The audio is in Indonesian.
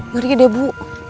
mari deh bu